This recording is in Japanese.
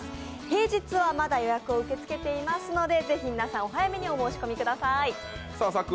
平日はまだ予約を受け付けていますので、ぜひ皆さん、お早めにお申し込みください。